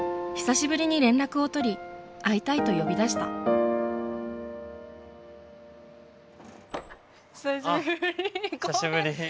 久しぶりに連絡を取り会いたいと呼び出した久しぶり。